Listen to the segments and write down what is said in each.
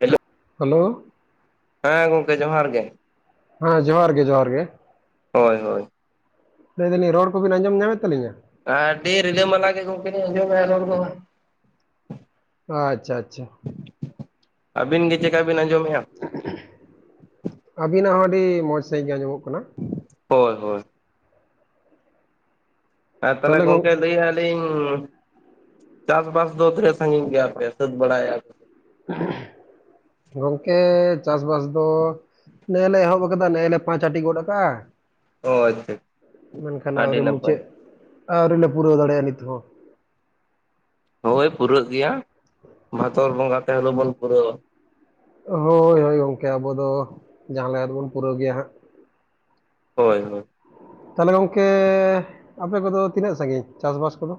Hello hello ᱦᱮᱸ ᱜᱚᱝᱠᱮ ᱡᱚᱦᱟᱨ ᱜᱮ ᱦᱳᱭ ᱡᱚᱦᱟᱨ ᱜᱮ ᱡᱚᱦᱟᱨ ᱜᱮ ᱦᱳᱭ ᱦᱳᱭ ᱞᱟᱹᱭᱮ ᱫᱟᱞᱤᱧ ᱨᱚᱲ ᱠᱚᱵᱤᱱ ᱟᱸᱡᱚᱢ ᱧᱟᱢᱮᱫ ᱛᱟᱹᱧᱟ ᱟᱹᱰᱤ ᱨᱤᱞᱟᱹᱢᱟᱞᱟ ᱜᱮ ᱜᱚᱢᱠᱮ ᱟᱸᱡᱚᱢᱮᱜᱟ ᱨᱚᱲ ᱫᱚ ᱟᱪᱪᱷᱟ ᱟᱪᱪᱷᱟ ᱟᱹᱵᱤᱱ ᱜᱮ ᱪᱮᱠᱟ ᱵᱤᱱ ᱟᱸᱡᱚᱢᱮᱫᱼᱟ ᱟᱹᱵᱤᱱᱟᱜ ᱦᱚᱸ ᱟᱹᱰᱤ ᱢᱚᱡᱽ ᱥᱟᱸᱦᱤᱡ ᱜᱮ ᱟᱸᱡᱚᱢᱚᱜ ᱠᱟᱱᱟ ᱦᱳᱭ ᱦᱳᱭ ᱟᱨ ᱛᱟᱦᱚᱞᱮ ᱜᱚᱝᱠᱮ ᱞᱟᱹᱭ ᱪᱟᱥᱵᱟᱥ ᱫᱚ ᱛᱤᱱᱟᱹᱜ ᱥᱟᱸᱜᱤᱧ ᱜᱮᱭᱟ ᱥᱟᱹᱛ ᱵᱟᱲᱟᱭᱮᱫᱟ ᱯᱮ ᱜᱚᱝᱠᱮ ᱪᱟᱥᱵᱟᱥ ᱫᱚ ᱱᱮᱜᱮ ᱞᱮ ᱮᱦᱚᱵ ᱟᱠᱟᱫᱟ ᱱᱮᱜᱮ ᱞᱮ ᱯᱟᱸᱪᱟᱴᱤ ᱜᱚᱫ ᱟᱠᱟᱜᱼᱟ ᱚ ᱟᱪᱪᱷᱟ ᱢᱮᱱᱠᱷᱟᱱ ᱟᱹᱰᱤ ᱟᱣᱨᱤ ᱱᱟᱯᱟᱭ ᱢᱩᱪᱟᱹᱫ ᱟᱣᱨᱤᱞᱮ ᱯᱩᱨᱟᱹᱣ ᱫᱟᱲᱮᱭᱟᱜᱼᱟ ᱱᱤᱛ ᱦᱚᱸ ᱦᱳᱭ ᱯᱩᱨᱟᱹᱜ ᱜᱮᱭᱟ ᱵᱷᱟᱛᱚᱨ ᱵᱚᱸᱜᱟ ᱛᱮ ᱵᱚᱱ ᱯᱩᱨᱟᱹᱣᱟ ᱦᱳᱭ ᱦᱳᱭ ᱜᱚᱢᱠᱮ ᱟᱵᱚ ᱫᱚ ᱡᱟᱦᱟᱸ ᱞᱮᱠᱟ ᱫᱚᱵᱚᱱ ᱯᱩᱨᱟᱹᱣ ᱜᱮᱭᱟ ᱦᱟᱸᱜ ᱦᱳᱭ ᱦᱳᱭ ᱛᱟᱦᱚᱞᱮ ᱜᱚᱝᱠᱮ ᱟᱯᱮ ᱠᱚᱫᱚ ᱛᱤᱱᱟᱹᱜ ᱥᱟᱸᱜᱤᱧ ᱪᱟᱥᱵᱟᱥ ᱠᱚᱫᱚ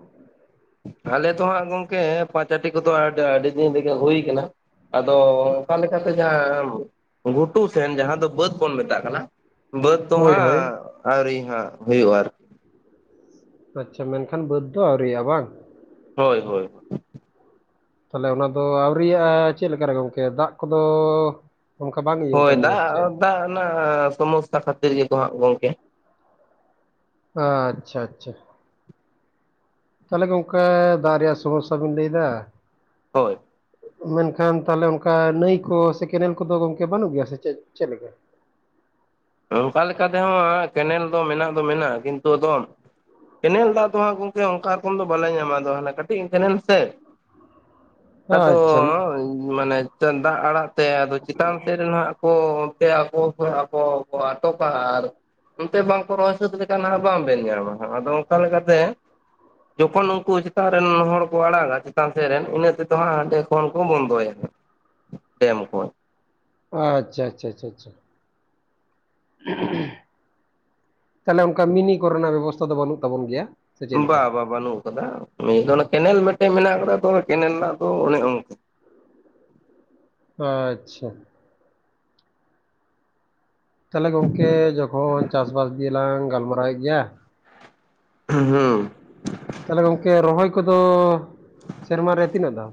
ᱟᱞᱮ ᱫᱚ ᱦᱟᱸᱜ ᱜᱚᱝᱠᱮ ᱯᱟᱸᱪᱟᱴᱤ ᱠᱚᱫᱚ ᱟᱹᱰᱤ ᱫᱤᱱ ᱨᱮᱜᱮ ᱦᱳᱭ ᱠᱟᱱᱟ ᱟᱫᱚ ᱚᱱᱠᱟ ᱞᱮᱠᱟ ᱛᱮ ᱡᱟᱦᱟᱸ ᱜᱷᱩᱴᱩ ᱥᱮᱱ ᱡᱟᱦᱟᱸ ᱫᱚ ᱵᱟᱹᱫᱽ ᱵᱚᱱ ᱢᱮᱛᱟᱜ ᱠᱟᱱᱟ ᱵᱟᱹᱫᱽ ᱫᱚ ᱦᱳᱭ ᱦᱟᱸᱜ ᱦᱳᱭ ᱟᱹᱣᱨᱤ ᱦᱟᱸᱜ ᱦᱩᱭᱩᱜᱼᱟ ᱟᱨᱠᱤ ᱟᱪᱪᱷᱟ ᱢᱮᱱᱠᱷᱟᱱ ᱵᱟᱹᱫᱽ ᱫᱚ ᱟᱹᱣᱨᱤᱭᱜᱼᱟ ᱵᱟᱝ? ᱦᱳᱭ ᱦᱳᱭ ᱛᱟᱦᱟᱞᱮ ᱚᱱᱟ ᱫᱚ ᱟᱹᱣᱲᱤᱭᱟᱜᱼᱟ ᱪᱮᱫ ᱞᱮᱠᱟᱨᱮ ᱜᱚᱝᱠᱮ ᱫᱟᱜ ᱠᱚᱫᱚ ᱼᱼ ᱚᱱᱠᱟ ᱵᱟᱝ ᱦᱳᱭ ᱫᱟᱜ ᱫᱟᱜ ᱨᱮᱱᱟᱜ ᱥᱚᱢᱚᱥᱥᱟ ᱠᱷᱟᱹᱛᱤᱨ ᱜᱮᱠᱚ ᱦᱟᱸᱜ ᱜᱚᱢᱠᱮ। ᱟᱪᱪᱷᱟ ᱟᱪᱪᱷᱟ ᱛᱟᱦᱚᱞᱮ ᱜᱚᱝᱠᱮ ᱫᱟᱜ ᱨᱮᱭᱟᱜ ᱥᱚᱢᱚᱥᱥᱟ ᱵᱮᱱ ᱞᱟᱹᱭᱟ? ᱦᱳᱭ ᱢᱮᱱᱠᱷᱟᱱ ᱛᱟᱦᱟᱞᱮ ᱚᱱᱠᱟ ᱱᱟᱹᱭ ᱠᱚ ᱥᱮ ᱠᱮᱱᱮᱞ ᱠᱚᱫᱚ ᱜᱚᱝᱠᱮ ᱵᱟᱹᱱᱩᱜ ᱜᱮᱭᱟ ᱥᱮ ᱪᱮᱫ ᱪᱮᱫᱞᱮᱠᱟ? ᱚᱱᱠᱟ ᱞᱮᱠᱟ ᱛᱮᱦᱚᱸ ᱠᱮᱱᱮᱞ ᱫᱚ ᱢᱮᱱᱟᱜ ᱫᱚ ᱢᱮᱱᱟᱜᱼᱟ ᱠᱤᱱᱛᱩ ᱟᱫᱚ ᱠᱮᱱᱮᱞ ᱫᱟᱜ ᱫᱚ ᱦᱟᱸᱜ ᱜᱚᱝᱠᱮ ᱚᱱᱠᱟ ᱨᱚᱠᱚᱢ ᱫᱚ ᱵᱟᱞᱮ ᱧᱟᱢᱟ ᱟᱫᱚ ᱦᱟᱱᱮ ᱠᱟᱹᱴᱤᱡ ᱠᱮᱱᱮᱞ ᱥᱮ ᱾ [unintelligible] ᱟᱫᱚ ᱢᱟᱱᱮ ᱫᱟᱜ ᱟᱲᱟᱜ ᱛᱮ ᱟᱫᱚ ᱪᱮᱛᱟᱱ ᱥᱮᱫ ᱨᱮ ᱱᱷᱟᱜ ᱠᱚ ᱼᱼ ᱥᱮ ᱟᱠᱚ ᱠᱚ ᱟᱠᱚ ᱠᱚ ᱟᱴᱚᱠᱟ ᱟᱨ ᱚᱱᱛᱮ ᱵᱟᱝᱠᱚ ᱨᱚᱦᱚᱭ ᱥᱟᱹᱛ ᱞᱮᱠᱷᱟᱱ ᱦᱟᱸᱜ ᱵᱟᱝ ᱵᱮᱱ ᱧᱟᱢᱟ ᱦᱟᱸᱜ ᱟᱫᱚ ᱚᱱᱠᱟ ᱞᱮᱠᱟᱛᱮ ᱼᱼ ᱡᱚᱠᱷᱚᱱ ᱩᱱᱠᱩ ᱪᱮᱛᱟᱱ ᱨᱮᱱ ᱦᱚᱲ ᱠᱚ ᱟᱲᱟᱜᱟ ᱪᱮᱛᱟᱱ ᱥᱮᱫ ᱨᱮᱱ ᱤᱱᱟᱹ ᱛᱮᱫᱚ ᱦᱟᱸᱜ ᱦᱟᱸᱰᱮ ᱼᱼ ᱯᱷᱳᱱ ᱠᱚ ᱵᱚᱱᱫᱚᱭᱟ ᱰᱮᱢ ᱠᱷᱚᱱ ᱾ ᱟᱪᱪᱷᱟ ᱪᱪᱪᱷᱟ ᱪᱷᱟ ᱪᱷᱟ ᱛᱟᱦᱚᱞᱮ ᱚᱱᱠᱟ ᱢᱤᱱᱤ ᱠᱚᱨᱮᱱᱟᱜ ᱵᱮᱵᱚᱥᱛᱷᱟ ᱫᱚ ᱵᱟᱹᱱᱩᱜ ᱛᱟᱵᱚᱱ ᱜᱮᱭᱟ? ᱥᱮ ᱪᱮᱫ ᱵᱟ ᱞᱮᱠᱟ? ᱵᱟᱝ ᱵᱟᱹᱱᱩᱜ ᱟᱠᱟᱫᱟ ᱱ ᱫᱚ ᱚᱱᱟ ᱠᱮᱱᱮᱞ ᱢᱤᱫᱴᱮᱡ ᱢᱮᱱᱟᱜ ᱟᱠᱟᱫᱟ ᱛᱚ ᱠᱮᱱᱮᱞ ᱨᱮᱱᱟᱜ ᱫᱚ ᱚᱱᱮ ᱚᱱᱠᱟ। ᱟᱪᱪᱷᱟ ᱛᱟᱦᱚᱞᱮ ᱜᱚᱝᱠᱮ ᱡᱚᱠᱷᱚᱱ ᱪᱟᱥ ᱵᱟᱟᱥ ᱫᱤᱭᱮᱞᱟᱝ ᱜᱟᱞᱢᱟᱨᱟᱣᱮᱫ ᱜᱮᱭᱟ᱾ ᱦᱸ ᱦᱩᱸ ᱛᱟᱦᱟᱞᱮ ᱜᱚᱝᱠᱮ ᱨᱚᱦᱚᱭ ᱠᱚᱫᱚ ᱥᱮᱨᱢᱟ ᱨᱮ ᱛᱤᱱᱟᱹᱜ ᱫᱷᱟᱣ?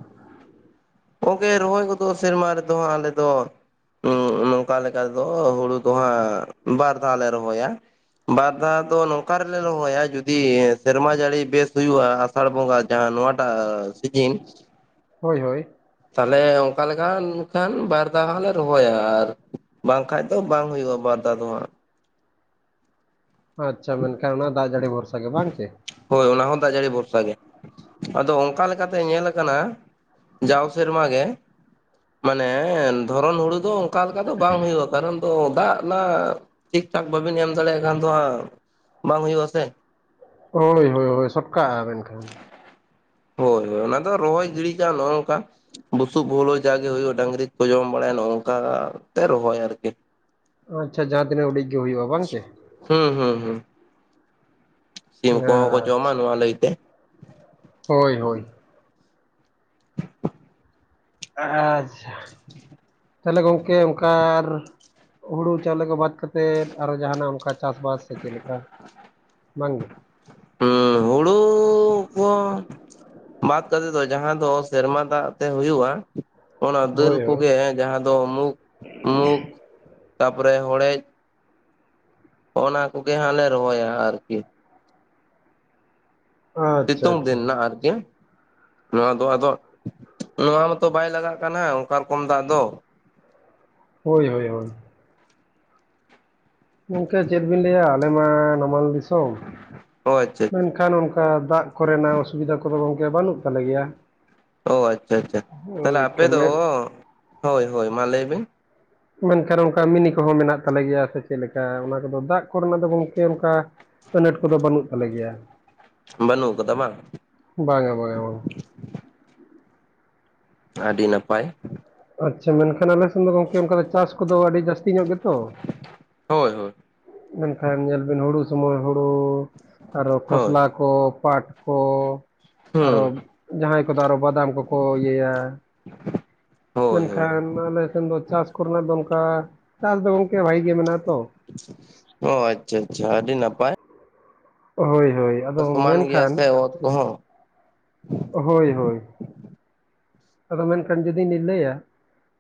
ᱜᱚᱢᱠᱮ ᱨᱚᱦᱚᱭ ᱜᱚᱫᱚᱜᱼᱟ ᱥᱮᱨᱢᱟ ᱨᱮᱫᱚ ᱦᱟᱸᱜ ᱟᱞᱮ ᱫᱚ ᱼᱼ ᱚᱸᱻ ᱱᱚᱝᱠᱟ ᱞᱮᱠᱟ ᱛᱮᱫᱚ ᱦᱩᱲᱩ ᱫᱚᱦᱟᱸᱜ ᱵᱟᱨ ᱫᱷᱟᱣ ᱞᱮ ᱨᱚᱦᱚᱭᱟ। ᱵᱟᱨ ᱫᱷᱟᱣ ᱫᱚ ᱱᱚᱝᱠᱟ ᱨᱮᱞᱮ ᱨᱚᱦᱚᱭᱟ ᱡᱩᱫᱤ ᱥᱮᱨᱢᱟ ᱡᱟᱹᱲᱤ ᱵᱮᱥ ᱦᱩᱭᱩᱜᱼᱟ। ᱟᱥᱟᱲ ᱵᱚᱸᱜᱟ ᱡᱟᱦᱟᱸ ᱱᱚᱣᱟᱴᱟᱜ ᱥᱤᱡᱤᱱ᱾ ᱦᱳᱭ ᱦᱳᱭ ᱛᱟᱦᱞᱮ ᱚᱱᱠᱟᱮᱠᱟ ᱠᱷᱟᱱ ᱵᱟᱨ ᱫᱷᱟᱣ ᱦᱚᱸ ᱞᱮ ᱨᱚᱦᱚᱭᱟ ᱟᱨ ᱼᱼ ᱵᱟᱝᱠᱟᱱᱡ ᱫᱚ ᱵᱟᱝ ᱦᱩᱭᱩᱜᱼᱟ ᱵᱟᱨ ᱫᱷᱟᱣ ᱫᱚ ᱦᱟᱸᱜ। ᱟᱪᱪᱷᱟ ᱢᱮᱱᱠᱷᱟᱱ ᱚᱱᱟ ᱫᱟᱜ ᱡᱟᱹᱲᱤ ᱵᱷᱚᱨᱥᱟ ᱜᱮ ᱵᱟᱝ ᱪᱮ? ᱦᱳᱭ ᱚᱱᱟ ᱦᱚᱸ ᱫᱟᱜ ᱡᱟᱹᱲᱤ ᱵᱷᱚᱨᱥᱟ ᱜᱮ᱾ ᱟᱫᱚ ᱚᱱᱠᱟ ᱞᱮᱠᱟᱛᱮ ᱧᱮᱞ ᱟᱠᱟᱱᱟ ᱼᱼ ᱡᱟᱣ ᱥᱮᱨᱢᱟ ᱜᱮ ᱢᱟᱱᱮ ᱫᱷᱚᱨᱚᱱ ᱦᱩᱲᱩ ᱫᱚ ᱼᱼ ᱚᱱᱠᱟ ᱞᱮᱠᱟ ᱫᱚ ᱵᱟᱝ ᱦᱩᱭᱩᱜᱼᱟ᱾ ᱠᱟᱨᱚᱱ ᱫᱚ ᱫᱟᱜ ᱱᱷᱟᱜ ᱴᱷᱤᱠ ᱴᱷᱟᱠ ᱵᱟᱟᱹᱵᱤᱱ ᱮᱢ ᱫᱟᱲᱮᱭᱟᱜ ᱠᱷᱟᱱ ᱫᱚ ᱦᱟᱸᱜ ᱼᱼ ᱵᱟᱝ ᱦᱩᱭᱩᱜᱼᱟ ᱥᱮ। ᱦᱳᱭ ᱦᱳᱭ ᱦᱳᱭ ᱥᱚᱴ ᱠᱟᱜᱼᱟ ᱢᱮᱱᱠᱷᱟᱱ। ᱦᱳᱭ ᱦᱳᱭ ᱚᱱᱟ ᱫᱚ ᱨᱚᱦᱚᱭ ᱜᱤᱲᱤ ᱡᱟ ᱱᱚᱜᱼ ᱚᱝᱠᱟ। ᱵᱩᱥᱩᱵ ᱦᱩᱲᱩ ᱡᱟᱜᱮ ᱦᱩᱭᱩᱜᱼᱟ ᱰᱟᱝᱨᱤ ᱠᱚ ᱡᱚᱢ ᱵᱟᱲᱟᱭᱟ ᱱᱚᱜ ᱚᱝᱠᱟ ᱛᱮ ᱨᱚᱦᱚᱭ ᱟᱨᱠᱤ। ᱟᱪᱪᱷᱟ ᱡᱟᱦᱟᱸ ᱛᱤᱱᱟᱹᱜ ᱩᱰᱤᱡ ᱜᱮ ᱦᱩᱭᱩᱜᱼᱟ ᱵᱟᱝ ᱪᱮ? ᱦᱩᱸ ᱦᱩᱸ ᱦᱩᱸ ᱥᱤᱢ ᱠᱚ ᱦᱚᱸ ᱠᱚ ᱡᱚᱢᱟ ᱟᱪᱪᱷᱟ ᱱᱚᱣᱟ ᱞᱟᱹᱭᱛᱮ। ᱦᱳᱭ ᱦᱳᱭ [inaudible] ᱟᱪᱪᱷᱟ ᱛᱟᱦᱚᱞᱮ ᱜᱚᱝᱠᱮ ᱚᱱᱠᱟ ᱦᱩᱲᱩ ᱪᱟᱣᱞᱮ ᱠᱚ ᱵᱟᱫ ᱼᱼ ᱠᱟᱛᱮᱫ ᱟᱨᱚ ᱡᱟᱦᱟᱱᱟᱜ ᱚᱱᱠᱟ ᱪᱟᱥᱵᱟᱥ ᱥᱮ ᱪᱮᱫ ᱞᱮᱠᱟ ᱵᱟᱝᱜᱮ? ᱦᱩᱸ ᱦᱩᱲᱩ [inaudible] [inaudible] ᱠᱚ ᱵᱟᱫ ᱠᱟᱛᱮ ᱫᱚ ᱡᱟᱦᱟᱸ ᱫᱚ ᱥᱮᱨᱢᱟ ᱫᱟᱜ ᱛᱮ ᱦᱩᱭᱩᱜᱼᱟ᱾ ᱚᱱᱟ ᱫᱟᱹᱞ ᱦᱳᱭ ᱦᱳᱭ ᱠᱚᱜᱮ ᱡᱟᱦᱟᱸ ᱫᱚ ᱢᱩᱠ ᱢᱩᱠ ᱛᱟᱯᱚᱨᱮ ᱦᱚᱲᱮᱡ। ᱚᱱᱟ ᱠᱚᱜᱮ ᱦᱟᱸᱜ ᱞᱮ ᱨᱚᱦᱚᱭᱟ ᱟᱨᱠᱤ। ᱟᱪᱪᱷᱟ ᱥᱤᱛᱩᱝ ᱟᱪᱪᱷᱟ ᱫᱤᱱ ᱱᱷᱟᱜ ᱟᱨᱠᱤ। ᱱᱚᱣᱟ ᱫᱚ ᱟᱫᱚ ᱱᱚᱣᱟ ᱢᱟᱛᱚ ᱵᱟᱭ ᱞᱟᱜᱟᱜ ᱠᱟᱱᱟ ᱚᱱᱠᱟ ᱨᱚᱠᱚᱢ ᱫᱟᱜ ᱫᱚ। ᱦᱳᱭ ᱦᱳᱭ ᱦᱳᱭ ᱜᱚᱢᱠᱮ ᱪᱮᱫ ᱵᱤᱱ ᱞᱟᱹᱭᱟ ᱟᱞᱮ ᱢᱟ ᱱᱟᱢᱟᱞ ᱫᱤᱥᱚᱢ ᱚ ᱟᱪᱪᱷᱟ ᱢᱮᱱᱠᱷᱟᱱ ᱚᱱᱠᱟ ᱫᱟᱜ ᱠᱚᱨᱮᱱᱟᱜ ᱚᱥᱩᱵᱤᱫᱟ ᱠᱚᱫᱚ ᱜᱚᱝᱠᱮ ᱵᱟᱹᱱᱩᱜ ᱛᱟᱞᱮ ᱜᱮᱭᱟ ᱚ ᱟᱪᱪᱷᱟ ᱟᱪᱪᱷᱟ ᱛᱟᱦᱚᱞᱮ ᱳᱭ ᱟᱯᱮᱫᱚ ᱠᱟᱹᱢᱤ ᱦᱳᱭ ᱦᱳᱭ ᱢᱟ ᱞᱟᱹᱭᱵᱤᱱ ᱾ ᱢᱮᱱᱠᱷᱟᱱ ᱚᱱᱠᱟ ᱢᱤᱱᱤ ᱠᱚᱦᱚᱸ ᱢᱮᱱᱟᱜ ᱛᱟᱞᱮ ᱜᱮᱭᱟ ᱥᱮ ᱪᱮᱜ ᱞᱮᱠᱟ ᱚᱱᱟ ᱠᱚᱫᱚ ᱫᱟᱜ ᱠᱚᱨᱮᱱᱟᱜ ᱫᱚ ᱜᱚᱢᱠᱮ ᱚᱱᱠᱟ ᱟᱹᱱᱟᱹᱴ ᱠᱚᱫᱚ ᱵᱟᱹᱱᱩᱜ ᱛᱟᱞᱮ ᱜᱮᱭᱟ ᱾ ᱵᱟᱹᱱᱩᱜ ᱠᱟᱫᱟ ᱵᱟᱝ ᱾ ᱵᱟᱝᱟ ᱵᱟᱝᱟ ᱵᱟᱝᱟ ᱟᱹᱰᱤ ᱱᱟᱯᱟᱭ ᱟᱪᱪᱷᱟ ᱢᱮᱱᱠᱷᱟᱱ ᱟᱞᱮ ᱥᱮᱱ ᱫᱚ ᱜᱚᱝᱠᱮ ᱟᱝᱠᱟ ᱪᱟᱥ ᱠᱚᱫᱚ ᱟᱹᱰᱤ ᱡᱟᱹᱥᱛᱤ ᱧᱚᱜ ᱜᱮᱛᱚ ᱦᱳᱭ ᱦᱳᱭ ᱢᱮᱱᱠᱷᱟᱱ ᱧᱮᱞ ᱵᱤᱱ ᱦᱩᱲᱩ ᱥᱚᱢᱚᱭ ᱦᱩᱲᱩ ᱟᱨᱚ ᱦᱳᱭ ᱠᱷᱚᱥᱞᱟ ᱠᱚ ᱯᱟᱴ ᱠᱚ ᱟᱨᱚ ᱦᱩᱸ ᱡᱟᱦᱟᱸᱭ ᱠᱚᱫᱚ ᱟᱨᱚ ᱵᱟᱫᱟᱢ ᱠᱚᱠᱚ ᱤᱭᱟᱹᱭᱟ ᱦᱳᱭ ᱦᱳᱭ ᱢᱮᱱᱠᱷᱟᱱ ᱟᱞᱮᱥᱮᱱ ᱫᱚ ᱪᱟᱥ ᱠᱚᱨᱮᱱᱟᱜ ᱫᱚ ᱚᱱᱠᱟ ᱪᱟᱥ ᱫᱚ ᱜᱚᱝᱠᱮ ᱵᱷᱟᱜᱤ ᱜᱮ ᱢᱮᱱᱟᱜᱼᱟ ᱛᱚ ᱚ ᱟᱪᱪᱷᱟ ᱟᱪᱪᱷᱟ ᱟᱹᱰᱤ ᱱᱟᱯᱟᱭ ᱦᱳᱭ ᱦᱳᱭ ᱟᱫᱚ ᱥᱚᱢᱟᱱ ᱜᱮᱭᱟ ᱢᱮᱱᱠᱷᱟᱱ ᱥᱮ ᱚᱛ ᱠᱚᱦᱚᱸ ᱦᱳᱭ ᱦᱳᱭ ᱟᱫᱚ ᱢᱮᱱᱠᱷᱟᱱ ᱡᱩᱫᱤᱧ ᱞᱤᱧ ᱞᱟᱹᱭᱟ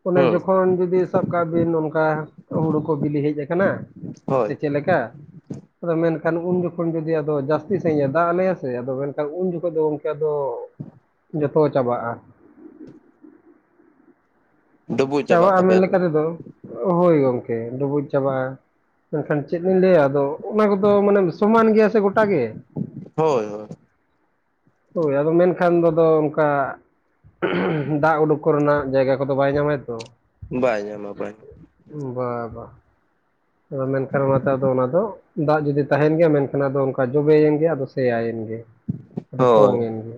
ᱚᱱᱮ ᱦᱩᱸ ᱡᱚᱠᱷᱚᱱ ᱡᱩᱚᱫᱤ ᱥᱟᱵ ᱠᱟᱜ ᱵᱤᱱ ᱚᱱᱠᱟ ᱦᱩᱲᱩ ᱠᱚ ᱵᱤᱞᱤ ᱦᱮᱡ ᱟᱠᱟᱱᱟ ᱦᱳᱭ ᱥᱮ ᱪᱮᱜ ᱞᱮᱠᱟ ᱟᱫᱚ ᱢᱮᱱᱠᱷᱟᱱ ᱩᱱ ᱡᱚᱠᱷᱚᱱ ᱡᱩᱫᱤ ᱟᱫᱚ ᱡᱟᱹᱥᱛᱤ ᱥᱟᱺᱦᱤᱡᱼᱮ ᱫᱟᱜ ᱟᱞᱮᱭᱟ ᱥᱮ ᱟᱫᱚ ᱢᱮᱱᱠᱷᱟᱱ ᱩᱱ ᱡᱚᱠᱷᱚᱡ ᱫᱚ ᱜᱚᱢᱠᱮ ᱟᱫᱚ ᱡᱚᱛᱚ ᱪᱟᱵᱟᱜᱼᱟ ᱰᱩᱵᱩᱡ ᱪᱟᱵᱟᱜ ᱪᱟᱵᱟᱜᱼᱟ ᱢᱮᱱ ᱛᱟᱯᱮᱭᱟ ᱞᱮᱠᱟ ᱛᱮᱫᱚ ᱦᱳᱭ ᱜᱚᱝᱠᱮ ᱰᱩᱵᱩᱡ ᱪᱟᱵᱟᱜᱼᱟ ᱢᱮᱱᱠᱷᱟᱱ ᱪᱮᱫ ᱞᱤᱧ ᱞᱟᱹᱭᱟ ᱟᱫᱚ ᱚᱱᱟ ᱠᱚᱫᱚ ᱢᱟᱱᱮ ᱥᱚᱢᱟᱱ ᱜᱮᱭᱟ ᱥᱮ ᱜᱚᱴᱟ ᱜᱮ ᱦᱳᱭ ᱦᱳᱭ ᱦᱳᱭ ᱟᱫᱚ ᱢᱮᱱᱠᱷᱟᱱ ᱫᱚᱫᱚ ᱚᱱᱠᱟ ᱫᱟᱜ ᱩᱰᱩᱠ ᱠᱚᱨᱮᱱᱟᱜ ᱡᱟᱭᱜᱟ ᱠᱚᱫᱚ ᱵᱟᱭ ᱧᱟᱢᱟᱭ ᱛᱚ ᱵᱟᱭ ᱧᱟᱢᱟ ᱵᱟᱭ ᱵᱟ ᱵᱟ ᱟᱫᱚ ᱢᱮᱱᱠᱷᱟᱱ ᱚᱱᱟᱛᱮ ᱟᱫᱚ ᱚᱱᱟ ᱫᱚ ᱫᱟᱜ ᱡᱩᱫᱤ ᱛᱟᱸᱦᱮᱱ ᱜᱮᱭᱟ ᱢᱮᱱᱠᱷᱟᱱ ᱟᱫᱚ ᱚᱱᱠᱟ ᱡᱚᱵᱮᱭᱮᱱ ᱜᱮ ᱟᱫᱚ ᱥᱮᱭᱟᱭᱮᱱ ᱜᱮ ᱟᱫᱚ ᱦᱳᱭ ᱯᱚᱝᱼᱮᱱ ᱜᱮ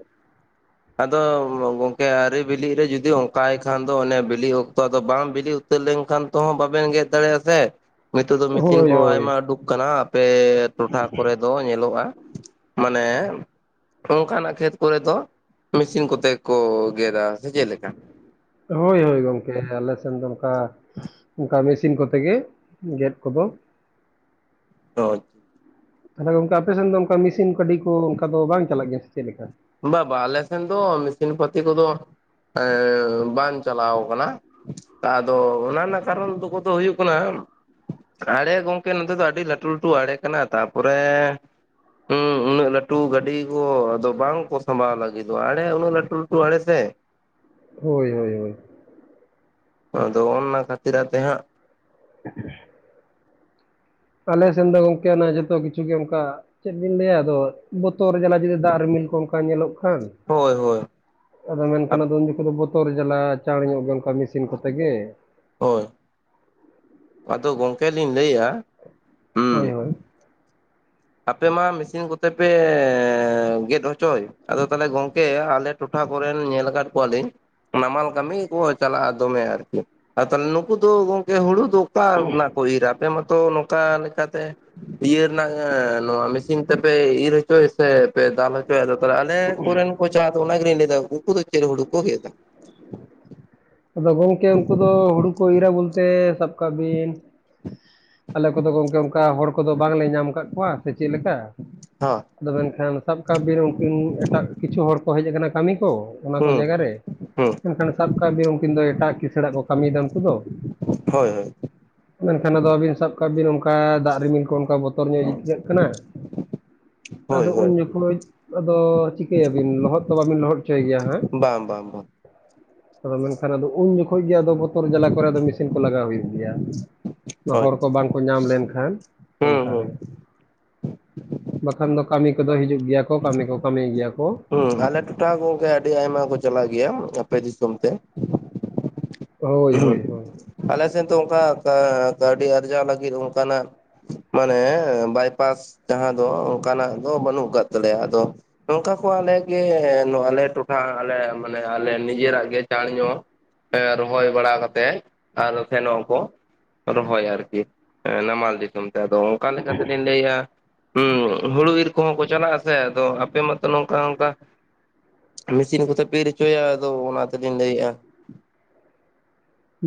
ᱟᱫᱚ ᱜᱚᱝᱠᱮ ᱟᱨᱤ ᱵᱤᱞᱤᱜ ᱨᱮ ᱡᱩᱫᱤ ᱚᱝᱠᱟᱭ ᱠᱷᱟᱱ ᱫᱚ ᱚᱱᱮ ᱵᱤᱞᱤ ᱚᱠᱛᱚ ᱟᱫᱚ ᱵᱟᱝ ᱵᱤᱞᱤᱜ ᱛᱟᱹᱨ ᱞᱮᱱᱠᱷᱟᱱ ᱛᱚᱦᱚᱸ ᱵᱟᱵᱮᱱ ᱜᱮᱫ ᱫᱟᱲᱮᱭᱟᱜᱼᱟ ᱥᱮ ᱱᱤᱛᱚᱜ ᱫᱚ ᱢᱮᱥᱤᱱ ᱦᱳᱭ ᱠᱚᱦᱚᱸ ᱦᱳᱭ ᱟᱭᱢᱟ ᱩᱰᱩᱠ ᱦᱩᱭᱩᱜ ᱠᱟᱱᱟ ᱟᱯᱮ ᱴᱚᱴᱷᱟ ᱠᱚᱨᱮ ᱫᱚ ᱧᱮᱞᱚᱜᱼᱟ ᱢᱟᱱᱮ ᱚᱱᱠᱟᱱᱟᱜ ᱠᱷᱮᱛ ᱠᱚᱨᱮ ᱫᱚ ᱢᱮᱥᱤᱱ ᱠᱚᱛᱮ ᱠᱚ ᱜᱮᱫᱟ ᱥᱮ ᱪᱮᱜᱞᱮᱠᱟ ᱦᱳᱭ ᱦᱳᱭ ᱜᱚᱝᱠᱮ ᱟᱞᱮ ᱥᱮᱱ ᱫᱚ ᱚᱱᱠᱟ ᱚᱝᱠᱟ ᱢᱮᱥᱤᱱ ᱠᱚᱛᱮ ᱜᱮ ᱜᱮᱫ ᱠᱚᱫᱚ [unintelligible] ᱛᱟᱦᱞᱮ ᱜᱚᱝᱠᱮ ᱟᱯᱮᱥᱮᱱ ᱫᱚ ᱚᱱᱠᱟ ᱢᱮᱥᱤᱱ ᱜᱟᱹᱰᱤ ᱠᱚ ᱚᱱᱠᱟ ᱫᱚ ᱵᱟᱝ ᱪᱟᱞᱟᱜ ᱜᱮᱭᱟ ᱥᱮ ᱪᱮᱫ ᱞᱮᱠᱟ ᱵᱟᱵᱟ ᱟᱞᱮᱥᱮᱱ ᱫᱚ ᱢᱮᱥᱤᱱ ᱯᱟᱹᱛᱤ ᱠᱚᱫᱚ ᱵᱟᱝ ᱪᱟᱞᱟᱣ ᱠᱟᱱᱟ ᱟᱫᱚ ᱚᱱᱟ ᱨᱮᱱᱟᱜ ᱠᱟᱨᱚᱱ ᱫᱚ ᱠᱚᱫᱚ ᱦᱩᱭᱩᱜ ᱠᱟᱱᱟ ᱟᱲᱮ ᱜᱚᱝᱠᱮ ᱱᱚᱛᱮ ᱫᱚ ᱟᱹᱰᱤ ᱞᱟᱹᱴᱩ ᱞᱟᱹᱴᱩ ᱟᱲᱮ ᱠᱟᱱᱟ ᱛᱟᱯᱚᱨᱮ ᱦᱮᱸ ᱩᱱᱟᱹᱜ ᱞᱟᱹᱴᱩ ᱜᱟᱹᱰᱤ ᱠᱚ ᱟᱫᱚ ᱵᱟᱝ ᱠᱚ ᱥᱟᱸᱵᱟᱣ ᱞᱟᱹᱜᱤᱫᱚᱜᱼᱟ ᱟᱲᱮ ᱩᱱᱟᱹᱜ ᱞᱟᱹᱴᱩ ᱞᱟᱹᱴᱩ ᱟᱲᱮ ᱥᱮ ᱦᱳᱭ ᱦᱳᱭ ᱦᱳᱭ ᱟᱫᱚ ᱚᱱᱱᱟ ᱠᱷᱟᱹᱛᱤᱨ ᱟᱛᱮ ᱦᱟᱸᱜ [unintelligible] ᱟᱞᱮ ᱥᱮᱱ ᱫᱚ ᱜᱚᱝᱠᱮ ᱚᱱᱟ ᱡᱚᱛᱚ ᱠᱤᱪᱷᱩ ᱜᱮ ᱚᱱᱠᱟ ᱪᱮᱫ ᱵᱤᱱ ᱞᱟᱹᱭᱟ ᱟᱫᱚ ᱵᱚᱛᱚᱨ ᱡᱟᱞᱟᱼᱼ ᱡᱩᱫᱤ ᱫᱟᱜ ᱨᱤᱢᱤᱞ ᱠᱚ ᱚᱱᱠᱟ ᱧᱮᱞᱚᱜ ᱠᱷᱟᱱ ᱦᱳᱭ ᱦᱳᱭ ᱾ ᱟᱫᱚ ᱢᱮᱱᱠᱷᱟᱱ ᱟᱫᱚ ᱩᱱ ᱡᱚᱠᱷᱚᱱ ᱫᱚ ᱵᱚᱛᱚᱨ ᱡᱟᱞᱟ ᱪᱟᱬ ᱧᱚᱜ ᱜᱮ ᱚᱱᱠᱟ ᱢᱮᱥᱤᱱ ᱠᱚᱛᱮ ᱜᱮ ᱾ ᱦᱳᱭ ᱾ ᱟᱫᱚ ᱜᱚᱝᱠᱮ ᱞᱤᱧ ᱞᱟᱹᱭᱮᱫᱼᱟᱼᱼ ᱦᱳᱭ ᱦᱳᱭ ᱾ ᱟᱯᱮ ᱢᱟ ᱢᱮᱥᱤᱱ ᱠᱚᱛᱮ ᱯᱮᱻ ᱜᱮᱫ ᱦᱚᱪᱚᱭ ᱟᱫᱚ ᱛᱟᱦᱚᱞᱮ ᱜᱚᱝᱠᱮ ᱟᱞᱮᱼᱼ ᱴᱚᱴᱷᱟ ᱠᱚᱨᱮᱱ ᱧᱮᱞ ᱟᱠᱟᱫ ᱠᱚᱣᱟ ᱞᱤᱧᱼᱼ ᱱᱟᱢᱟᱞ ᱠᱟᱹᱢᱤ ᱜᱮᱠᱚ ᱪᱟᱞᱟᱜᱼᱟ ᱫᱚᱢᱮ ᱟᱨᱠᱤ ᱛᱟᱦᱚᱞᱮ ᱱᱩᱠᱩ ᱫᱚ ᱜᱚᱝᱠᱮ ᱦᱩᱲᱩ ᱫᱚᱼᱼ ᱚᱠᱟ ᱨᱮᱱᱟᱜ ᱠᱚ ᱤᱨᱟ ᱟᱯᱮ ᱢᱟᱚᱛᱚ ᱱᱚᱝᱠᱟ ᱞᱮᱠᱟᱛᱮ ᱤᱭᱟᱹ ᱨᱮᱱᱟᱜ ᱦᱮᱸ ᱱᱚᱣᱟ ᱢᱮᱥᱤᱱ ᱛᱮᱯᱮ ᱤᱨ ᱦᱚᱪᱚᱭᱟ ᱥᱮ ᱯᱮ ᱫᱟᱞ ᱦᱚᱪᱚᱭᱟ ᱟᱫᱚ ᱛᱟᱦᱞᱮ ᱟᱞᱮ ᱠᱚᱨᱮᱱ [unintelligible] ᱚᱱᱟ ᱜᱮᱞᱤᱧ ᱞᱟᱹᱭ ᱮᱫᱟ ᱩᱱᱠᱩ ᱫᱚ ᱪᱮᱫ ᱦᱩᱲᱩ ᱠᱚ ᱜᱮᱫ ᱫᱟ? ᱟᱫᱚ ᱜᱚᱝᱠᱮ ᱩᱱᱠᱩ ᱫᱚ ᱦᱩᱲᱩ ᱠᱚ ᱤᱨᱟ ᱵᱚᱞᱛᱮ ᱥᱟᱵ ᱠᱟᱜ ᱵᱤᱱᱼᱼ ᱟᱞᱮ ᱠᱚᱫᱚ ᱜᱚᱢᱠᱮ ᱚᱱᱠᱟ ᱦᱚᱲ ᱠᱚᱫᱚ ᱵᱟᱝᱞᱮ ᱧᱟᱢ ᱟᱠᱟᱫ ᱠᱚᱣᱟ ᱥᱮ ᱪᱮᱫ ᱞᱮᱠᱟᱼᱼ ᱦᱚᱸ ᱾ ᱟᱫᱚ ᱢᱮᱱᱠᱷᱟᱱ ᱥᱟᱵ ᱠᱟᱜ ᱵᱤᱱ ᱩᱱᱠᱤᱱ ᱮᱴᱟᱜ ᱠᱤᱪᱷᱩ ᱦᱚᱲ ᱠᱚ ᱦᱮᱡ ᱟᱠᱟᱱᱟ ᱠᱟᱹᱢᱤ ᱠᱚ ᱚᱱᱟ ᱠᱚ ᱦᱩᱸ ᱡᱟᱭᱜᱟ ᱨᱮᱼᱼ ᱦᱩᱸ ᱢᱮᱱᱠᱷᱟᱱ ᱥᱟᱵ ᱠᱟᱜ ᱵᱤᱱ ᱩᱱᱠᱤᱱ ᱫᱚ ᱮᱴᱟᱜ ᱠᱤᱥᱟᱬᱟᱜ ᱠᱚ ᱠᱟᱹᱢᱤᱭᱮᱫᱟ ᱩᱱᱠᱩ ᱫᱚ ᱾ ᱦᱳᱭ ᱦᱳᱭ ᱾ ᱢᱮᱱᱠᱷᱟᱱ ᱟᱫᱚ ᱟᱹᱵᱤᱱ ᱥᱟᱵ ᱠᱟᱜ ᱵᱤᱱ ᱚᱱᱠᱟ ᱫᱟᱜ ᱨᱤᱢᱤᱞ ᱠᱚ ᱚᱱᱠᱟ ᱵᱚᱛᱚᱨ ᱧᱚᱜ [unintelligible] ᱠᱟᱱᱟ ᱾ [unintelligible] ᱦᱳᱭ ᱟᱫᱚ ᱦᱳᱭ ᱩᱱ ᱡᱚᱠᱷᱚᱱ [unintelligible] ᱟᱫᱚ ᱪᱤᱠᱟᱹᱭᱟᱵᱤᱱ ᱞᱚᱦᱚᱫ ᱛᱚ ᱵᱟᱵᱤᱱ ᱞᱚᱦᱚᱫ ᱦᱚᱪᱚᱭ ᱜᱮᱭᱟ ᱦᱟᱸᱜ ᱾ ᱵᱟᱝ ᱵᱟᱝ ᱵᱟᱝ ᱾ ᱟᱫᱚ ᱢᱮᱱᱠᱷᱟᱱ ᱟᱫᱚ ᱩᱱ ᱡᱚᱠᱷᱚᱡ ᱜᱮ ᱵᱚᱛᱚᱨ ᱡᱟᱞᱟ ᱠᱚ ᱨᱮᱜᱮ ᱢᱮᱥᱤᱱ ᱠᱚ ᱞᱟᱜᱟᱣ ᱦᱩᱭᱩᱜ ᱜᱮᱭᱟ ᱾ ᱦᱳᱭ ᱦᱚᱲ ᱠᱚ ᱵᱟᱝᱠᱚ ᱧᱟᱢ ᱞᱮᱱᱠᱷᱟᱱ ᱦᱩᱸ ᱚᱱᱠᱟ ᱦᱩᱸ ᱨᱮ ᱾ ᱵᱟᱠᱷᱟᱱ ᱫᱚ ᱠᱟᱹᱢᱤ ᱠᱚᱫᱚ ᱦᱤᱡᱩᱜ ᱜᱮᱭᱟ ᱠᱚ ᱠᱟᱹᱢᱤ ᱠᱚ ᱠᱟᱹᱢᱤ ᱜᱮᱭᱟ ᱠᱚ ᱾ ᱦᱩᱸ ᱟᱞᱮ ᱴᱚᱴᱷᱟ ᱜᱚᱝᱠᱮ ᱟᱹᱰᱤ ᱟᱭᱢᱟ ᱠᱚ ᱪᱟᱞᱟᱜ ᱜᱮᱭᱟ ᱟᱯᱮ ᱫᱤᱥᱚᱢ ᱛᱮ ᱾ ᱦᱳᱭ ᱦᱳᱭ ᱦᱳᱭ ᱟᱞᱮ ᱥᱮᱱ ᱫᱚ ᱚᱱᱠᱟ ᱠᱟᱹᱣᱰᱤ ᱟᱨᱡᱟᱣ ᱞᱟᱹᱜᱤᱫ ᱚᱱᱠᱟᱱᱟᱜᱼᱼ ᱢᱟᱱᱮ ᱵᱟᱭᱯᱟᱥ ᱡᱟᱦᱟᱸ ᱫᱚ ᱚᱱᱠᱟᱱᱟᱜ ᱫᱚ ᱵᱟᱹᱱᱩᱜ ᱟᱠᱟᱫ ᱛᱟᱞᱮᱭᱟ ᱟᱫᱚᱼᱼ ᱱᱚᱝᱠᱟ ᱠᱚ ᱟᱞᱮᱜᱮ ᱟᱞᱮ ᱴᱚᱴᱷᱟ ᱟᱞᱮ ᱢᱟᱱᱮ ᱟᱞᱮ ᱱᱤᱡᱮᱨᱟᱜ ᱜᱮ ᱪᱟᱸᱲ ᱧᱚᱜᱼᱼ [unintelligible] ᱨᱚᱦᱚᱭ ᱵᱟᱲᱟ ᱠᱟᱛᱮᱜ ᱟᱨ ᱥᱮᱱᱚᱜ ᱟᱠᱚ ᱨᱚᱦᱚᱭ ᱟᱨᱠᱤ ᱱᱟᱢᱟᱞ ᱫᱤᱥᱚᱢ ᱾ ᱟᱫᱚ ᱚᱱᱠᱟ ᱞᱮᱠᱟᱛᱮ ᱞᱤᱧ ᱞᱟᱹᱭᱮᱫᱼᱟᱼᱼ ᱦᱩᱸ ᱦᱩᱲᱩ ᱤᱨ ᱠᱚᱦᱚᱸ ᱠᱚ ᱪᱟᱞᱟᱜ ᱟᱥᱮ ᱟᱫᱚ ᱟᱯᱮ ᱢᱟᱛᱚ ᱱᱚᱝᱠᱟ ᱱᱚᱝᱠᱟᱼᱼ ᱢᱮᱥᱤᱱ ᱠᱚᱛᱮ ᱯᱤᱨ ᱦᱚᱪᱚᱭᱟ ᱟᱫᱚ ᱚᱱᱟ ᱛᱮᱞᱤᱧ ᱞᱟᱹᱭᱮᱫᱼᱟ ᱾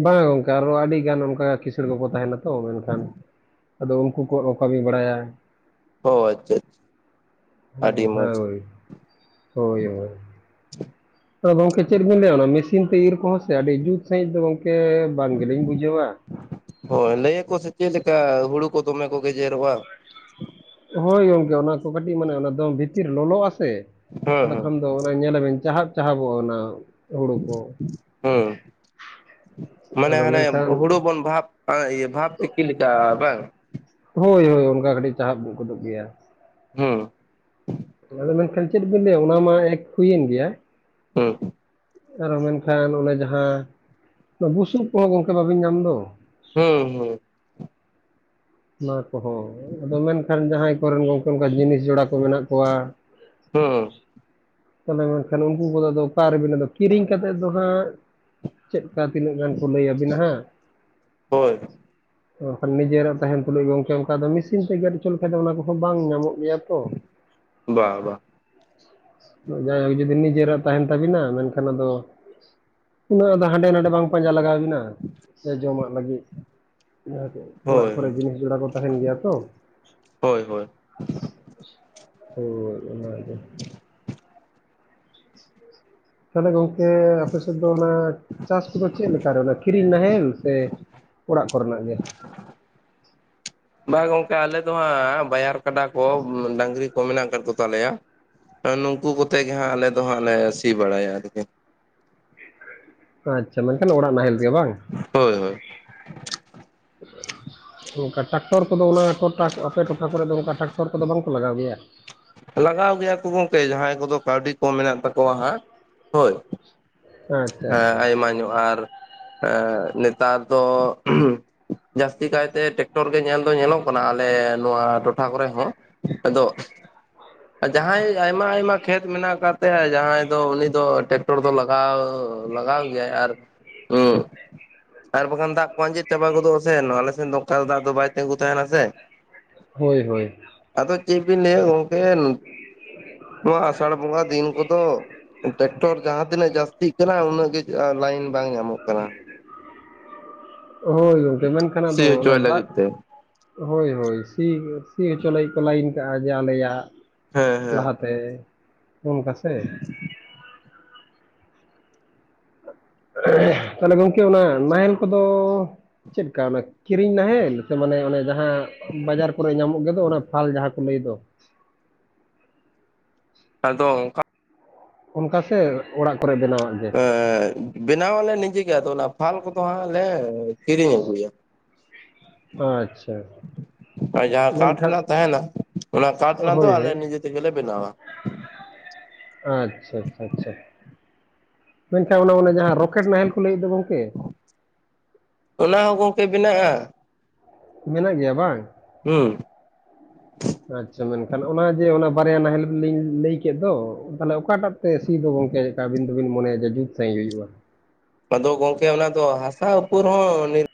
ᱵᱟᱝᱟ ᱜᱚᱝᱠᱮ ᱟᱨᱦᱚ ᱟᱹᱰᱤᱜᱟᱱ ᱚᱱᱠᱟ ᱠᱤᱥᱟᱹᱬ ᱠᱚᱠᱚ ᱛᱟᱦᱮᱱᱟ ᱛᱚ ᱢᱮᱱᱠᱷᱟᱱᱼᱼ ᱟᱫᱚ ᱩᱱᱠᱩ ᱠᱚᱣᱟᱜ ᱠᱚ ᱠᱟᱹᱢᱤ ᱵᱟᱲᱟᱭᱟ ᱾ ᱚ ᱟᱪᱪᱷᱟ ᱟᱪᱪᱷᱟ ᱟᱹᱰᱤ [unintelligible] ᱢᱚᱸᱡᱽ ᱦᱳᱭ ᱦᱳᱭ ᱾ ᱟᱫᱚ ᱜᱚᱢᱠᱮ ᱪᱮᱫ ᱵᱤᱱ ᱞᱟᱹᱭᱟ ᱚᱱᱟ ᱢᱮᱥᱤᱱ ᱛᱮ ᱤᱨ ᱠᱚᱦᱚᱸ ᱥᱮ ᱟᱹᱰᱤ ᱡᱩᱛ ᱥᱟᱺᱦᱤᱡ ᱫᱚ ᱜᱚᱢᱠᱮ ᱵᱟᱝ ᱜᱮᱞᱤᱧ ᱵᱩᱡᱷᱟᱹᱣᱟ ᱾ ᱦᱳᱭ ᱞᱟᱹᱭ ᱟᱠᱚ ᱥᱮ ᱪᱮᱫ ᱞᱮᱠᱟ ᱦᱩᱲᱩ ᱠᱚ ᱫᱚᱢᱮ ᱠᱚ ᱜᱮᱡᱮᱨᱚᱜᱼᱟ ᱾ ᱦᱳᱭ ᱜᱚᱝᱠᱮ ᱚᱱᱟ ᱠᱚ ᱠᱟᱹᱴᱤᱡ ᱢᱟᱱᱮ ᱚᱱᱟ ᱫᱚ ᱵᱷᱤᱛᱤᱨ ᱞᱚᱞᱚᱜᱼᱟᱥᱮ ᱦᱮᱸ ᱟᱫᱚ ᱦᱮᱸ ᱠᱷᱟᱱᱼᱼ ᱟᱫᱚ ᱚᱱᱟ ᱧᱮᱞᱟᱵᱤᱱ ᱪᱟᱦᱟᱵ ᱪᱟᱦᱟᱵᱚᱜᱼᱟ ᱚᱱᱟ ᱾ ᱦᱩᱸ ᱢᱟᱱᱮ ᱟᱫᱚ ᱦᱟᱱᱮ ᱢᱮᱱᱠᱷᱟᱱ ᱦᱩᱲᱩ ᱵᱚᱱ ᱵᱷᱟᱵᱽᱼᱼ ᱟᱨ ᱤᱭᱟᱹ ᱵᱷᱟᱵᱽ ᱛᱤᱠᱤ ᱞᱮᱠᱟ ᱵᱟᱝ? ᱦᱳᱭ ᱦᱳᱭ ᱚᱱᱠᱟ ᱠᱟᱹᱴᱤᱡ ᱪᱟᱦᱟᱵ ᱜᱚᱫᱚᱜ ᱜᱮᱭᱟ ᱾ ᱦᱮᱸ ᱾ ᱟᱫᱚ ᱢᱮᱱᱠᱷᱟᱱ ᱪᱮᱫ ᱵᱤᱱ ᱞᱟᱹᱭᱟ ᱚᱱᱟ ᱢᱟ ᱮᱠ ᱦᱩᱭᱮᱱ ᱜᱮᱭᱟ ᱾ ᱦᱮᱸ ᱾ ᱟᱨᱚ ᱢᱮᱱᱠᱷᱟᱱ ᱚᱱᱮ ᱡᱟᱦᱟᱸ ᱵᱩᱥᱩᱵ ᱠᱚᱦᱚᱸ ᱜᱚᱢᱠᱮ ᱵᱟᱹᱵᱤᱱ ᱧᱟᱢ ᱫᱚ ᱾ ᱦᱩᱸ ᱦᱩᱸ ᱚᱱᱟ ᱠᱚᱦᱚᱸ, ᱟᱫᱚ ᱢᱮᱱᱠᱷᱟᱱ ᱡᱟᱦᱟᱸᱭ ᱠᱚ ᱨᱮᱱ ᱜᱚᱝᱢᱠᱮ ᱚᱱᱠᱟ ᱡᱤᱱᱤᱥ ᱡᱚᱲᱟ ᱠᱚ ᱢᱮᱱᱟᱜ ᱠᱚᱣᱟᱜ ᱦᱩᱸ ᱾ [inaudible] ᱢᱮᱱᱠᱷᱟᱱ ᱩᱱᱠᱩ ᱠᱚᱫᱚ ᱟᱨᱵᱱᱟᱫᱚ [inaudible] ᱠᱤᱨᱤᱧ ᱠᱟᱛᱮᱫ ᱫᱚ ᱦᱟᱸᱜ᱾ ᱪᱮᱫ ᱠᱟ ᱛᱤᱱᱟᱹᱜ ᱜᱟᱱ ᱠᱚ ᱞᱟᱹᱭ ᱟᱹᱵᱤᱱᱟ ᱦᱟᱸᱜ᱾ ᱦᱳᱭ ᱚ ᱱᱤᱡᱮᱨᱟᱜ [inaudible] ᱛᱟᱦᱮᱱ ᱛᱩᱞᱩᱡ ᱜᱚᱝᱠᱮ, ᱚᱱᱠᱟ ᱢᱮᱥᱤᱱ ᱛᱮ ᱜᱮᱫ ᱦᱚᱪᱚ ᱞᱮᱠᱷᱟᱡ ᱫᱚ ᱚᱱᱟ ᱠᱚᱦᱚᱸ ᱵᱟᱝ ᱧᱟᱢᱚᱜ ᱜᱮᱭᱟ ᱛᱚ ᱾ ᱵᱟ ᱵᱟ᱾ [inaudible] ᱡᱩᱫᱤ ᱱᱤᱡᱮᱨᱟᱜ ᱛᱟᱦᱮᱱ ᱛᱟᱵᱤᱱᱟ ᱢᱮᱱᱠᱷᱟᱱ ᱟᱫᱚ᱾ ᱩᱱᱟᱹᱜ ᱟᱫᱚ ᱦᱟᱸᱰᱮ ᱱᱟᱸᱰᱮ ᱵᱟᱝ ᱯᱟᱸᱡᱟ ᱞᱟᱜᱟᱣ ᱵᱤᱱᱟ ᱥᱮ ᱡᱚᱢᱟᱜ ᱞᱟᱹᱜᱤᱫ᱾ ᱚᱲᱟᱜ ᱦᱳᱭ ᱠᱚᱨᱮ ᱡᱤᱱᱤᱥ ᱡᱚᱲᱟ ᱠᱚ ᱛᱟᱦᱮᱱ ᱜᱮᱭᱟ ᱛᱚ᱾ ᱦᱳᱭ ᱦᱳᱭ ᱾ ᱦᱳᱭ ᱚᱱᱟ ᱜᱮ ᱾ ᱛᱟᱦᱚᱞᱮ ᱜᱚᱝᱠᱮ ᱟᱯᱮ ᱥᱮᱫ ᱫᱚ ᱚᱱᱟ ᱼᱼ ᱪᱟᱥ ᱠᱚᱫᱚ ᱪᱮᱫ ᱞᱮᱠᱟ ᱨᱮ ᱚᱱᱟ ᱠᱤᱨᱤᱧ ᱱᱟᱦᱮᱞ ᱥᱮ ᱚᱲᱟᱜ ᱠᱚ ᱨᱮᱱᱟᱜ ᱜᱮ᱾ ᱵᱟᱝ ᱜᱚᱝᱠᱮ ᱟᱞᱮ ᱫᱚ ᱦᱟᱸᱜ, ᱵᱟᱭᱟᱨ ᱠᱟᱰᱟ ᱠᱚ ᱰᱟᱝᱨᱤ ᱠᱚ ᱢᱮᱱᱟᱜ ᱟᱠᱟᱫ ᱠᱚ ᱛᱟᱞᱮᱭᱟ᱾ ᱱᱩᱝᱠᱩ ᱠᱚᱛᱮ ᱜᱮ ᱦᱟᱸᱜ ᱟᱞᱮ ᱫᱚ ᱦᱟᱸᱜ ᱞᱮ ᱥᱤ ᱵᱟᱲᱟᱭᱟ ᱟᱨ ᱠᱤ ᱾ ᱟᱪᱪᱷᱟ, ᱢᱮᱱᱠᱷᱟᱱ ᱚᱲᱟᱜ ᱱᱟᱦᱮᱞ ᱛᱮᱜᱮ ᱵᱟᱝ᱾ ᱦᱳᱭ ᱦᱳᱭ ᱚᱱᱠᱟ ᱴᱟᱠᱴᱚᱨ ᱠᱚᱫᱚ᱾ ᱚᱱᱟ [unintelligible] ᱴᱚᱴᱷᱟ ᱠᱚᱨᱮ ᱫᱚ᱾ ᱚᱱᱠᱟ ᱴᱟᱠᱴᱚᱨ ᱠᱚᱫᱚ ᱵᱟᱝ ᱠᱚ ᱞᱟᱜᱟᱣ ᱜᱮᱭᱟ᱾ ᱞᱟᱜᱟᱣ ᱜᱮᱭᱟ ᱠᱚ ᱜᱚᱝᱠᱮ ᱡᱟᱦᱟᱸᱭ ᱠᱚᱫᱚ ᱠᱟᱹᱣᱰᱤ ᱠᱚ ᱢᱮᱱᱟᱜ ᱛᱟᱠᱚᱣᱟ᱾ ᱦᱟᱸᱜ, ᱦᱳᱭ᱾ ᱟᱪᱪᱷᱟ ᱦᱮᱸ ᱟᱪᱪᱷᱟ ᱟᱭᱢᱟ ᱧᱚᱜ ᱟᱨ ᱱᱮᱛᱟᱨ ᱫᱚ᱾ ᱡᱟᱹᱥᱛᱤ ᱠᱟᱭᱛᱮ ᱴᱮᱠᱴᱚᱨ ᱜᱮ ᱧᱮᱞ ᱫᱚ ᱧᱮᱞᱚᱜ ᱠᱟᱱᱟ᱾ ᱟᱞᱮ ᱱᱚᱣᱟ ᱴᱚᱴᱷᱟ ᱠᱚᱨᱮ ᱦᱚᱸ᱾ ᱟᱫᱚ ᱟᱨ ᱡᱟᱦᱟᱸᱭ ᱟᱭᱢᱟ ᱟᱭᱢᱟ ᱠᱷᱮᱛ ᱢᱮᱱᱟᱜ ᱟᱠᱟᱫ ᱛᱟᱭᱟ᱾ ᱡᱟᱦᱟᱸᱭ ᱫᱚ ᱩᱱᱤ ᱫᱚ ᱴᱮᱠᱴᱚᱨ ᱫᱚ ᱞᱟᱜᱟᱣ ᱞᱟᱜᱟᱣ ᱜᱮᱭᱟᱭ ᱟᱨ [unintelligible] ᱟᱨ ᱵᱟᱠᱷᱟᱱ ᱫᱟᱜ ᱠᱚ ᱟᱸᱡᱮᱫ ᱪᱟᱵᱟ ᱜᱚᱫᱚᱜᱼᱟᱥᱮ, ᱟᱞᱮ ᱥᱮᱫ ᱫᱚ ᱚᱝᱠᱟ ᱫᱚ ᱫᱟᱜ ᱫᱚ ᱵᱟᱭ ᱛᱤᱸᱜᱩ ᱛᱟᱦᱮᱱᱟ ᱥᱮ᱾ ᱦᱳᱭ, ᱦᱳᱭ᱾ ᱟᱫᱚ ᱪᱮᱫ ᱵᱤᱱ ᱞᱟᱹᱭ ᱜᱚᱝᱠᱮ᱾ ᱱᱚᱶᱟ ᱟᱥᱟᱲ ᱵᱚᱸᱜᱟ ᱫᱤᱱ ᱠᱚᱫᱚ, ᱴᱨᱮᱠᱴᱚᱨ ᱡᱟᱦᱟᱸ ᱛᱤᱱᱟᱹᱜ ᱡᱟᱹᱥᱛᱤ ᱪ [inaudible] ᱩᱱᱟᱹᱜ ᱜᱮ ᱞᱟᱭᱤᱱ ᱵᱟᱝ ᱧᱟᱢᱚᱜ ᱠᱟᱱᱟ᱾ ᱦᱳᱭ ᱜᱚᱝᱠᱮ, ᱢᱮᱱᱠᱷᱟᱱ ᱟᱫᱚ ᱥᱤ ᱚᱱᱟ ᱦᱚᱪᱚᱭ ᱫᱟᱜ᱾ ᱞᱟᱹᱜᱤᱫ ᱛᱮ ᱦᱳᱭ ᱦᱳᱭ ᱥᱤ ᱥᱤ ᱦᱚᱪᱚ ᱞᱟᱹᱜᱤᱫ ᱠᱚ ᱞᱟᱭᱤᱱ ᱠᱟᱜᱼᱟ ᱡᱮ, ᱟᱞᱮᱭᱟᱜ ᱦᱮᱸ ᱦᱮᱸ ᱞᱟᱦᱟᱛᱮ ᱚᱱᱠᱟ ᱥᱮ᱾ ᱛᱟᱦᱚᱞᱮ ᱜᱚᱝᱠᱮ ᱚᱱᱟ ᱱᱟᱦᱮᱞ ᱠᱚᱫᱚᱻ ᱪᱮᱫ ᱠᱟ, ᱚᱱᱟ ᱠᱤᱨᱤᱧ ᱱᱟᱦᱮᱞ ᱥᱮ ᱢᱟᱱᱮ ᱚᱱᱮ ᱡᱟᱦᱟᱸ ᱵᱟᱡᱟᱨ ᱠᱚᱨᱮ ᱧᱟᱢᱚᱜ ᱜᱮᱫᱚ, ᱚᱱᱟ ᱯᱷᱟᱞ ᱡᱟᱦᱟᱸ ᱠᱚ ᱞᱟᱹᱭ ᱫᱚ᱾ ᱟᱫᱚ ᱚᱱᱠᱟ ᱚᱱᱠᱟ ᱥᱮ ᱚᱲᱟᱜ ᱠᱚᱨᱮ ᱵᱮᱱᱟᱣᱟᱜ ᱜᱮ᱾ ᱮᱸ ᱵᱮᱱᱟᱣ ᱟᱞᱮ ᱱᱤᱡᱮ ᱜᱮ ᱟᱫᱚ ᱾ ᱚᱱᱟ ᱯᱷᱟᱞ ᱠᱚᱫᱚ ᱦᱟᱸᱜ ᱞᱮ ᱠᱤᱨᱤᱧ ᱟᱹᱜᱩᱭᱟ᱾ ᱟᱪᱪᱷᱟ ᱟᱨ ᱡᱟᱦᱟᱸ ᱠᱟᱴ ᱢᱮᱱᱠᱷᱟᱱ ᱨᱮᱱᱟᱜ ᱛᱟᱦᱮᱱᱟ᱾ ᱚᱱᱟ ᱠᱟᱴᱷ ᱨᱮᱱᱟᱜ ᱫᱚ ᱦᱳᱭ ᱟᱞᱮ ᱦᱳᱭ ᱱᱤᱡᱮ ᱛᱮᱜᱮ ᱞᱮ ᱵᱮᱱᱟᱣᱟ᱾ ᱟᱪᱪᱷᱟ, ᱟᱪᱪᱷᱟ, ᱟᱪᱷᱟ ᱾ ᱢᱮᱱᱠᱷᱟᱱ ᱚᱱᱟ ᱚᱱᱮ ᱡᱟᱦᱟᱸ ᱨᱚᱠᱮᱴ ᱱᱟᱦᱮᱞ ᱠᱚ ᱞᱟᱹᱭ ᱮᱫ ᱫᱚ ᱜᱚᱝᱠᱮ᱾ ᱚᱱᱟ ᱦᱚᱸ ᱜᱚᱝᱠᱮ ᱵᱮᱱᱟᱜᱼᱟ᱾ ᱢᱮᱱᱟᱜ ᱜᱮᱭᱟ ᱵᱟᱝ? ᱦᱩᱸ ᱟᱪᱪᱷᱟ ᱢᱮᱱᱠᱷᱟᱱ, ᱚᱱᱟ ᱡᱮ ᱚᱱᱟ ᱵᱟᱨᱭᱟ ᱱᱟᱦᱮᱞ ᱞᱤᱧ ᱞᱟᱹᱭ ᱠᱮᱫ ᱫᱚ, ᱛᱟᱦᱚᱞᱮ ᱚᱠᱟᱴᱟᱜ ᱥᱮ ᱥᱤ ᱫᱚ ᱜᱚᱝᱠᱮ, ᱟᱵᱤᱱ ᱫᱚᱵᱤᱱ ᱢᱚᱱᱮᱭ ᱫᱟ ᱡᱩᱛ ᱥᱟᱹᱦᱤᱡ ᱦᱩᱭᱩᱜᱼᱟ᱾ ᱟᱫᱚ ᱜᱚᱝᱠᱮ ᱚᱱᱟ ᱫᱚ ᱦᱟᱥᱟ ᱩᱯᱚᱨ ᱦᱚᱸ ᱱᱤᱨᱼᱼ